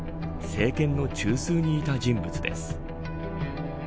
政権の中枢にいた人物です。